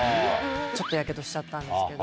ちょっとやけどしちゃったんですけど。